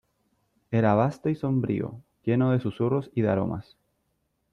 era vasto y sombrío , lleno de susurros y de aromas .